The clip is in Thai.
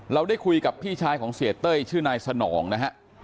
เราได้คุยกับพี่ชายของเสียเต้ยชื่อนายสนองนะฮะ